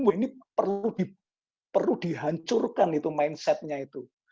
ini perlu dihancurkan itu mindset nya itu